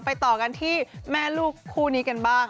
ต่อกันที่แม่ลูกคู่นี้กันบ้าง